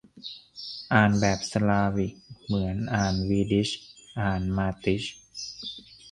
อ่านแบบสลาวิก เหมือน อ่านวีดิช อ่านมาติช